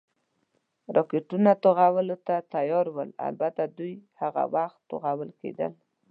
راکټونه، توغولو ته تیار ول، البته دوی هغه وخت توغول کېدل.